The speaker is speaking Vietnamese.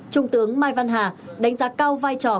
trung tướng mai văn hà đánh giá cao vai trò